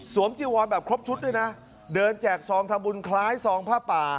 สวมจิวรแบบครบชุดด้วยนะเดินแจกสองธรรมบุญคล้ายสองผ้าป่า